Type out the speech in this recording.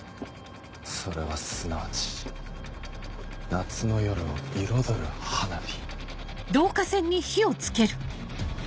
それはすなわち夏の夜を彩る花火。